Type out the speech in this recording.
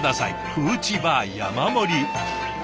フーチバー山盛り。